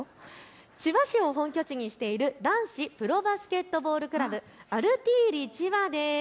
千葉市を本拠地にしている男子プロバスケットボールクラブ、アルティーリ千葉です。